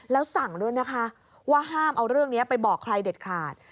แล้วสั่งด้วยนะคะว่าห้ามเอาเรื่องนี้ไปบอกใครเด็ดขาด